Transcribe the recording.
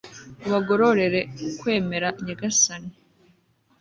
ubagororere ukwemera, nyagasani